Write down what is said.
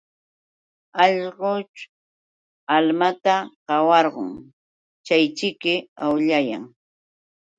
Allqu almataćh qawarqun chayćhiki awllayan.